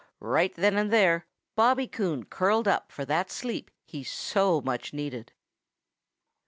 Right then and there Bobby Coon curled up for that sleep he so much needed.